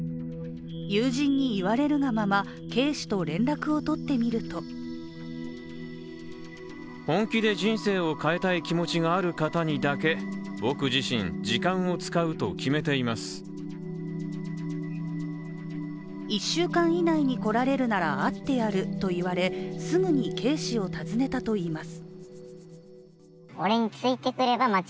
友人に言われるがまま、Ｋ氏と連絡をとってみると１週間以内に来られるなら会ってやると言われ、すぐにＫ氏を訪ねたといいます。